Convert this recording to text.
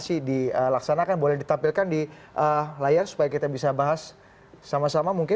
sih dilaksanakan boleh ditampilkan di layar supaya kita bisa bahas sama sama mungkin